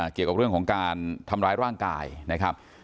เกี่ยวกับเรื่องของการทำร้ายร่างกายนะครับ